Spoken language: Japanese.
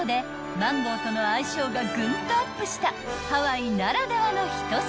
マンゴーとの相性がぐんとアップしたハワイならではの一品］